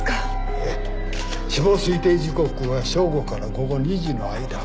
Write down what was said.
ええ死亡推定時刻は正午から午後２時の間。